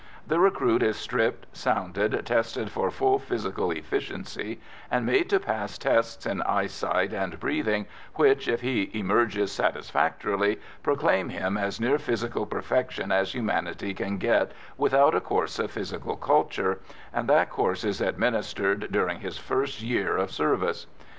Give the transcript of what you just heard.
The recruit is stripped, sounded, tested for full physical efficiency, and made to pass tests in eyesight and breathing which, if he emerges satisfactorily, proclaim him as near physical perfection as humanity can get without a course of physical culture and that course is administered during his first year of service.